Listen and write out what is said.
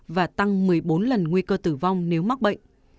và tăng một mươi bốn lần nguy cơ tử vong nếu mắc bệnh